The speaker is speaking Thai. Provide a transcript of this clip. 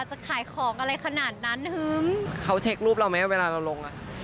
จะขายของอะไรขนาดนั้นฮึ้มเขาเช็ครูปเราไหมเวลาเราลงอ่ะ